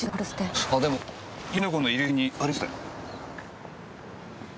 あでも三島陽子の遺留品にありましたよ。